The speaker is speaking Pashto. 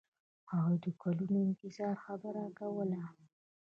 هغوی د کلونو انتظار خبره کوله.